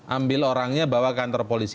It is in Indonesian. ambil orangnya bawa kantor polisi